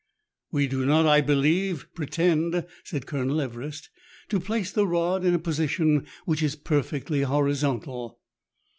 " We do not, I believe, pretend," said Colonel Everest, " to place the rod in a position which is perfectly horizontal."